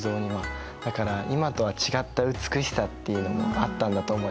だから今とは違った美しさっていうのがあったんだと思います。